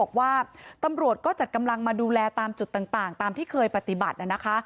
บอกว่าตำรวจก็จัดกำลังมาดูแลตามจุดต่างตามที่เคยปฏิบัตินะคะ